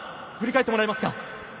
振り返ってもらえますか？